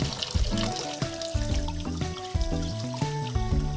はい。